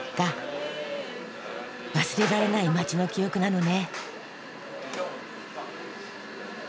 忘れられない街の記憶なのね。